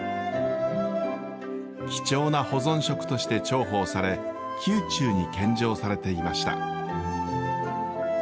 貴重な保存食として重宝され宮中に献上されていました。